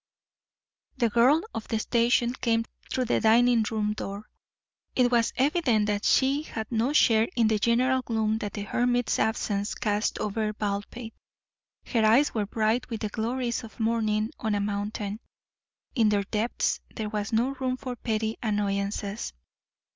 The girl of the station came through the dining room door. It was evident she had no share in the general gloom that the hermit's absence cast over Baldpate. Her eyes were bright with the glories of morning on a mountain; in their depths there was no room for petty annoyances.